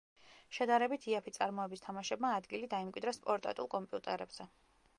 შედარებით იაფი წარმოების თამაშებმა ადგილი დაიმკვიდრეს პორტატულ კომპიუტერებზე.